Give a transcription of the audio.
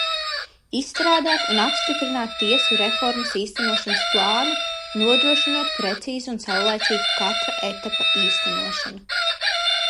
Izstrādāt un apstiprināt tiesu reformas īstenošanas plānu, nodrošinot precīzu un savlaicīgu katra etapa īstenošanu.